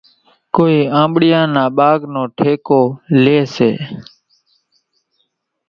ڪونئين آنٻڙِيان نا ٻاگھ نو ٺيڪو ليئيَ سي۔